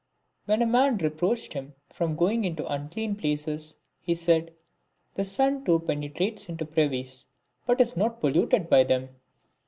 When a man re proached him forgoing into unclean places, he said, " The sun too penetrates into privies, but is not polluted by them."